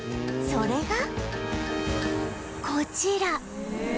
それがこちら